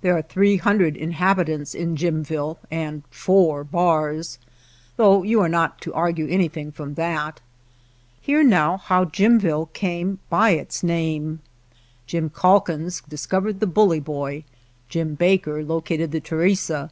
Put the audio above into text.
There are three hundred in habitants in Jimville and four bars, though you are not to argue anything from that. Hear now how Jimville came by its name. Jim Calkins discovered the Bully no JIMVILLE Boy, Jim Baker located the Theresa.